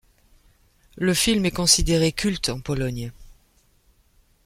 Le film est considéré culte en Pologne.